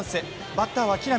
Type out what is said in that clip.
バッターは木浪。